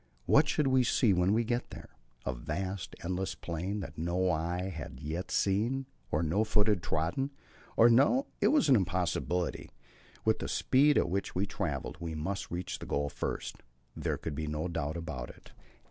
What should we see when we got there? A vast, endless plain, that no eye had yet seen and no foot yet trodden; or No, it was an impossibility; with the speed at which we had travelled, we must reach the goal first, there could be no doubt about that.